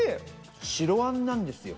白あんなんですよ。